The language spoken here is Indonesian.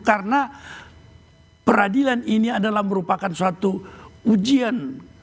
karena peradilan ini adalah merupakan suatu ujian